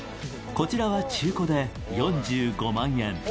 こちらは中古で４５万円。